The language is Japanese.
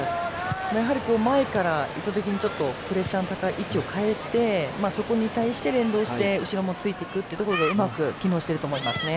前から意図的にプレッシャーの位置を変えてそこに対して、連動して後ろもついていくというのがうまく機能していると思いますね。